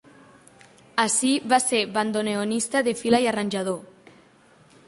Ací va ser bandoneonista de fila i arranjador.